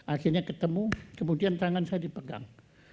akhirnya ketemu kemudian tangan saya dipegang